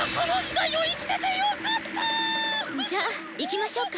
じゃあ行きましょうか。